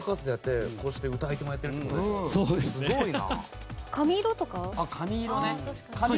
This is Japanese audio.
すごいな。